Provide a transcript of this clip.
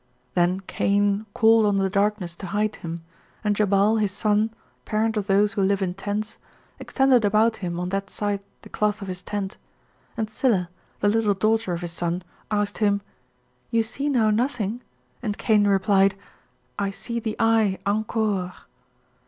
Then Cain called on the darkness to hide him, and Jabal, his son, parent of those who live in tents, extended about him on that side the cloth of his tent, and Tsilla, the little daughter of his son, asked him, 'You see now nothing?' and Cain replied, 'I see the Eye, encore!'